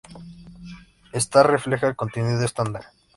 Ésta refleja el contenido estándar.